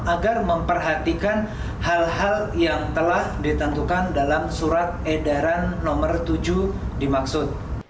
agar memperhatikan hal hal yang telah ditentukan dalam surat edaran nomor tujuh dimaksud